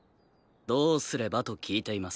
どうすればと聞いています。